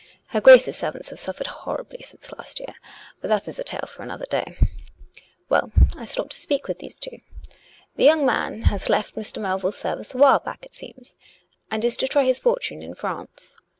(Her Grace's servants have suffered horribly since last year. But that is a tale for another day.) Well: I stopped to speak with these two. The young man hath left Mr. Melville's service a while back, it seems; and is to 364 COME RACK! COME ROPE! try his fortune in France.